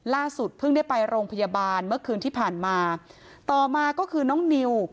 เพิ่งได้ไปโรงพยาบาลเมื่อคืนที่ผ่านมาต่อมาก็คือน้องนิว